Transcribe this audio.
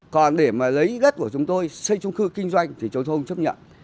còn để mà lấy đất của chúng tôi xây chung cư kinh doanh thì chúng tôi không chấp nhận